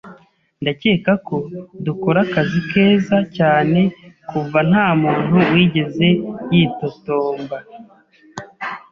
Ndakeka ko dukora akazi keza cyane kuva ntamuntu wigeze yitotomba.